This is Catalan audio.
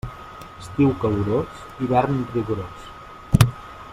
Estiu calorós, hivern rigorós.